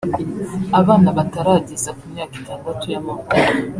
Abana batarageza ku myaka itandatu y’amavuko